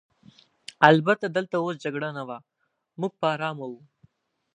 البته دلته اوس جګړه نه وه، موږ په آرامه وو.